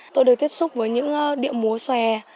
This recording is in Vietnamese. tôi được tiếp xúc với những điệu múa xòe